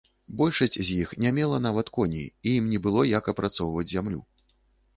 Большасць з іх не мела нават коней і ім не было як апрацоўваць зямлю.